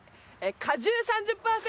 『果汁３０％